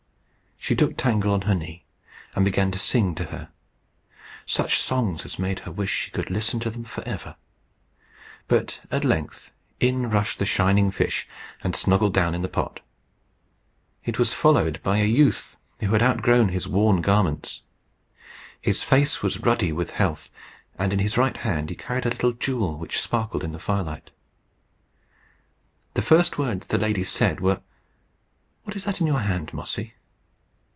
She took Tangle on her knee, and began to sing to her such songs as made her wish she could listen to them for ever. But at length in rushed the shining fish, and snuggled down in the pot. It was followed by a youth who had outgrown his worn garments. His face was ruddy with health, and in his hand he carried a little jewel, which sparkled in the firelight. The first words the lady said were, "What is that in your hand, Mossy?"